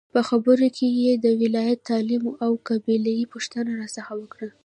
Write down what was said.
په خبرو کې یې د ولایت، تعلیم او قبیلې پوښتنه راڅخه وکړه.